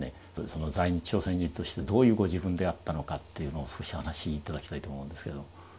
在日朝鮮人としてどういうご自分であったのかというのを少しお話し頂きたいと思うんですけど。